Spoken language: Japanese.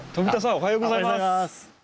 おはようございます。